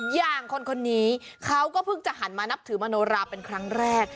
อย่างคนนี้เขาก็เพิ่งจะหันมานับถือมโนราเป็นครั้งแรก